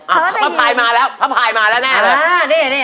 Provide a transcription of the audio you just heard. พระพายมาแล้วพระพายมาแล้วแน่เลย